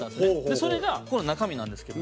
それが、この中身なんですけど。